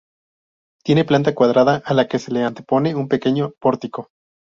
Tiene planta cuadrada a la que se le antepone un pequeño pórtico.